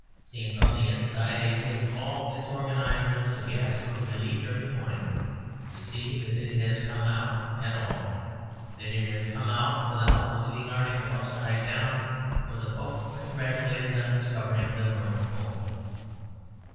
Seen from the inside, it gives all its organisers a gasp of relief every morning to see that it has come out at all; that it has come out without the leading article upside down or the Pope congratulated on discovering the North Pole.